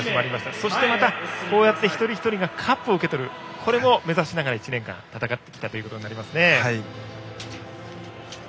そして、こうして一人一人がカップを受け取るこれも目指しながら１年間戦ってきたことになります。